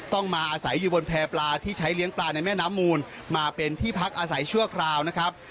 ต้องมาอาศัยอยู่บนแพร่ปลาที่ใช้เลี้ยงปลาในแม่น้ำมูลมาเป็นที่พักอาศัยชั่วคราวนะครับ